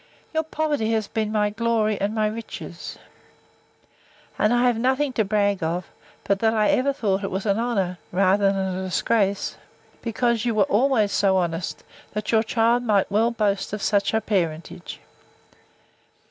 Your poverty has been my glory, and my riches; and I have nothing to brag of, but that I ever thought it an honour, rather than a disgrace; because you were always so honest, that your child might well boast of such a parentage!